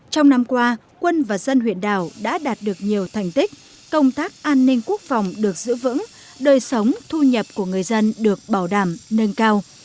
trong năm qua quân và dân huyện đảo đã đạt được nhiều thành tích công tác an ninh quốc phòng được giữ vững đời sống thu nhập của người dân được bảo đảm nâng cao